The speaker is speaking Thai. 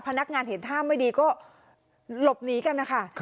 พนักงานเห็นท่าไม่ดีก็หลบหนีกันนะคะ